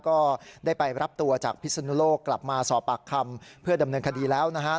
ก็ได้ไปรับตัวจากพิศนุโลกกลับมาสอบปากคำเพื่อดำเนินคดีแล้วนะครับ